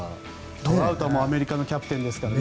トラウトは、アメリカのキャプテンですからね。